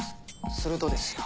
するとですよ